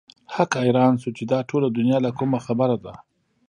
هک حيران شو چې دا ټوله دنيا له کومه خبره ده.